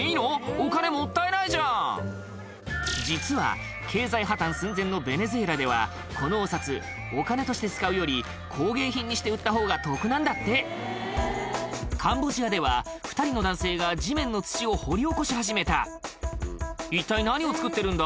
お金もったいないじゃん実は経済破綻寸前のベネズエラではこのお札お金として使うより工芸品にして売ったほうが得なんだってカンボジアでは２人の男性が地面の土を掘り起こし始めた一体何を造ってるんだ？